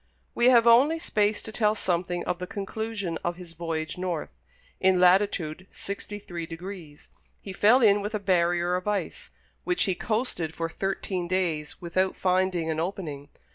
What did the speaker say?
We have only space to tell something of the conclusion of his voyage north. In latitude sixty three degrees, he fell in with a barrier of ice, which he coasted for thirteen days without finding an opening.